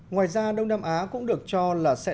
ngoài ra đông nam á cũng được cho là sẽ